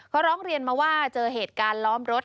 เขาร้องเรียนมาว่าเจอเหตุการณ์ล้อมรถ